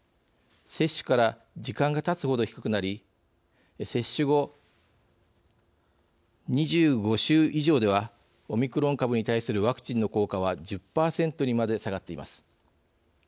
接種から時間がたつほど低くなり接種後、２５週以上ではオミクロン株に対するワクチンの効果は１０％にまで下がっています。